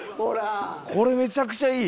これめちゃくちゃいい。